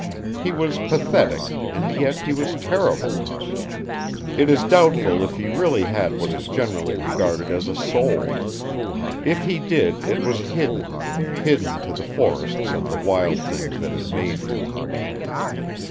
He was pathetic, and yet he was terrible. It is doubtful if he really had what is generally regarded as a soul. If he did, it was hidden hidden to the forests and the wild things that had made him.